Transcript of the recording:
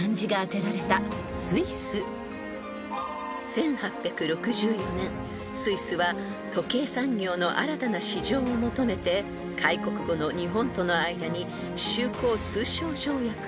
［１８６４年スイスは時計産業の新たな市場を求めて開国後の日本との間に修好通商条約を結びました］